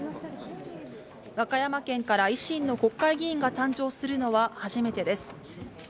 和歌山県から維新の国会議員が誕生するのは初めてです。